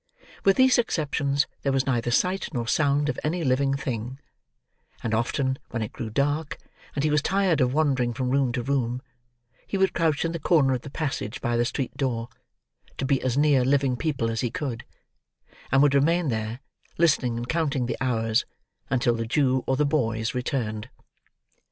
With these exceptions, there was neither sight nor sound of any living thing; and often, when it grew dark, and he was tired of wandering from room to room, he would crouch in the corner of the passage by the street door, to be as near living people as he could; and would remain there, listening and counting the hours, until the Jew or the boys returned.